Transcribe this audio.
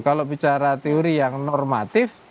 kalau bicara teori yang normatif